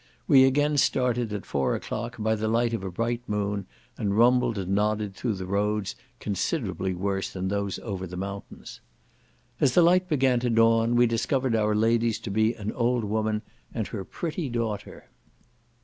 We again started, at four o'clock, by the light of a bright moon, and rumbled and nodded through the roads considerably worse than those over the mountains. As the light began to dawn we discovered our ladies to be an old woman and her pretty daughter.